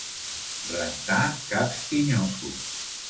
Rentar caps tinyosos.